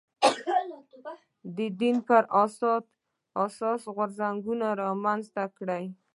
د دین پر اساس غورځنګونه رامنځته کړي